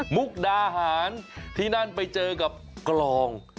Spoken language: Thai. มุกดาหารที่นั่นไปเจอกับกลอง